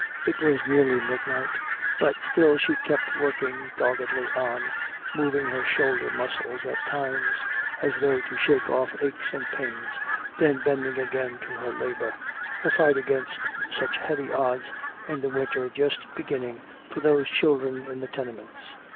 It was nearly midnight, but still she kept working doggedly on, moving her shoulder muscles at times as though to shake off aches and pains, then bending again to her labor, her fight against such heavy odds in the winter just beginning for those children in the tenements.